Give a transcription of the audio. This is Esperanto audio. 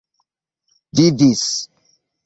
vivis